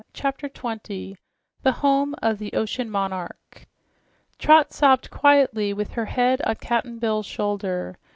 CHAPTER 20 THE HOME OF THE OCEAN MONARCH Trot sobbed quietly with her head on Cap'n Bill's shoulder.